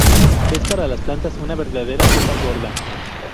Es para las plantas una verdadera sopa gorda.